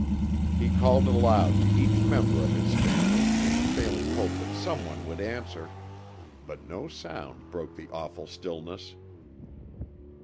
He called aloud to each member of his family, in the failing hope that some one would answer; but no sound broke the awful stillness.